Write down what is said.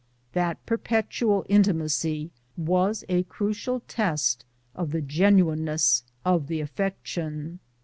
That perpetual intimacy was a crucial test of the genuineness of the affection.